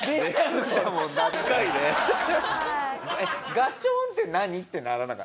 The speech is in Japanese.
「ガチョーン」って何？ってならなかった？